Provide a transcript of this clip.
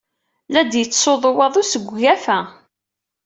La d-yettsuḍu waḍu seg ugafa.